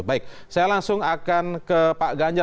baik saya langsung akan ke pak ganjar